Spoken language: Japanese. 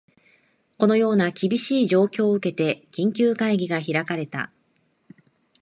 このような厳しい状況を受けて、緊急会議が開かれた